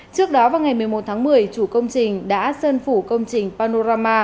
trước đó vào ngày một mươi một tháng một mươi chủ công trình đã sơn phủ công trình panorama